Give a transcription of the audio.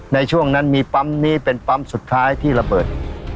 ในช่วงนั้นมีปั๊มนี้เป็นปั๊มสุดท้ายที่ระเบิด